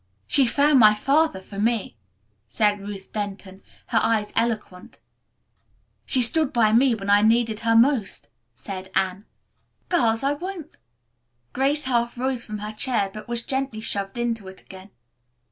"She found my father for me!" said Ruth Denton, her eyes eloquent. "She stood by me when I needed her most," said Anne. "Girls, I won't " Grace half rose from her chair, but was gently shoved into it again.